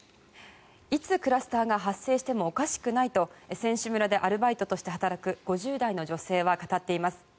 いつクラスターが発生してもおかしくないと選手村でアルバイトとして働く５０代の女性は語っています。